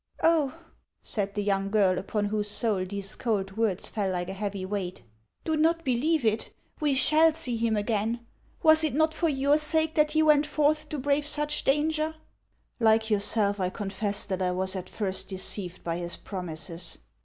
" Oh," said the young girl, upon whose soul these cold words fell like a heavy weight, " do not believe it. We shall see him again. Was it not for your sake that he went forth to brave such danger ?"" Like yourself, I confess that I was at first deceived by his promises.